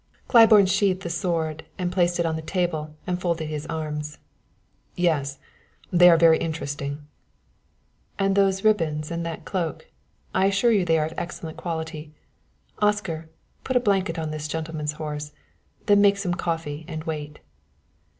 Claiborne sheathed the sword, placed it on the table and folded his arms. "Yes; they are very interesting." "And those ribbons and that cloak, I assure you they are of excellent quality. Oscar, put a blanket on this gentleman's horse. Then make some coffee and wait."